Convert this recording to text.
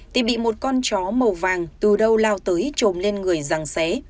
tìm bị một con chó màu vàng từ đâu lao tới trồm lên người ràng xé